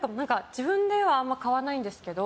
自分ではあんま買わないんですけど